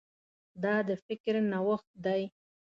دا د فکر نوښت دی.